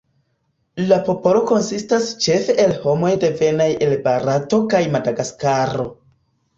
La popolo konsistas ĉefe el homoj devenaj el Barato kaj Madagaskaro.